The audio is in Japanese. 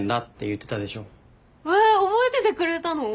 覚えててくれたの？